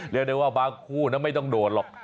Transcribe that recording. เรียกได้ว่าบางคู่ไม่ต้องโดดหรอก